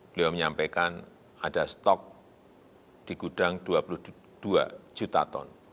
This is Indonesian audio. beliau menyampaikan ada stok di gudang dua puluh dua juta ton